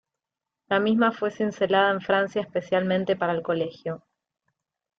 La misma fue cincelada en Francia especialmente para el Colegio.